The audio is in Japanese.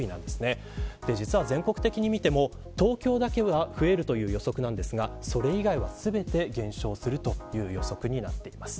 実は全国的に見ても東京だけは増えるという予測ですがそれ以外は全て減少するという予測です。